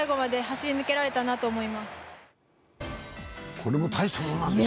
これも大したものなんでしょ？